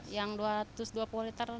yang dua puluh liter dua ratus